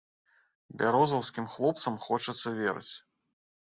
Бярозаўскім хлопцам хочацца верыць.